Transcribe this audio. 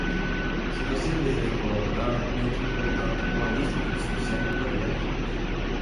Se você deseja colaborar, entre em contato com a lista de discussão do projeto.